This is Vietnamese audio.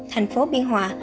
thành phố biên hòa